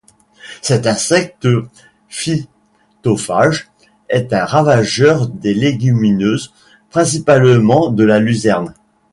Cet insecte phytophage est un ravageur des légumineuses, principalement de la luzerne.